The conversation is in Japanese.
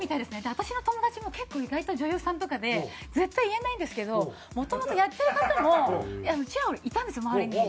私の友達も結構意外と女優さんとかで絶対言えないんですけどもともとやってる方もちらほらいたんですよ周りに。